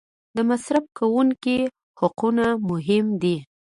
د مصرف کوونکي حقونه مهم دي.